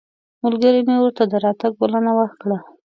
ملګري مې ورته د راتګ بلنه ورکړه.